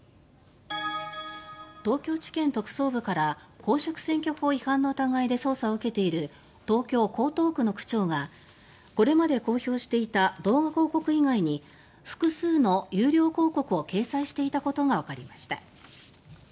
東京地検特捜部から公職選挙法違反の疑いで捜査を受けている東京・江東区の区長がこれまで公表していた動画広告以外に複数の有料広告を掲載していたことがわかりました。